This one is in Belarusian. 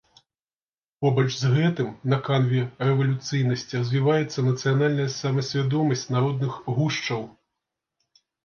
Побач з гэтым, на канве рэвалюцыйнасці, развіваецца нацыянальная самасвядомасць народных гушчаў.